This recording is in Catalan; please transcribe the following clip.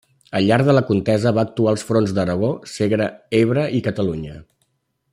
Al llarg de la contesa va actuar als fronts d'Aragó, Segre, Ebre i Catalunya.